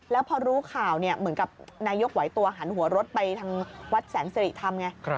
แล้วพอรู้ข่าวเหมือนกับนายกไหวตัวหันหัวรถไปทางวัดแสนสิริธรรมไง